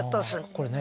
これね